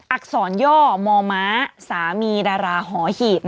อักษรย่อมอม้าสามีดาราหอหีบ